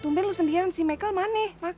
tumben lu sendirian si mekel mana